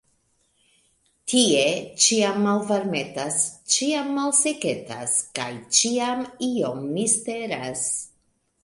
Tie ĉiam malvarmetas, ĉiam malseketas, kaj ĉiam iom misteras.